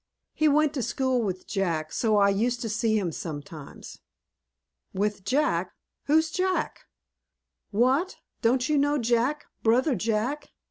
"He went to school with Jack, so I used to see him sometimes." "With Jack! Who's Jack?" "What! Don't you know Jack, brother Jack?"